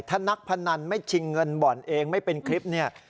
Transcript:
ถ้านักพนันไม่ชิงเงินบ่อนเองไม่เป็นคลิปเนี่ย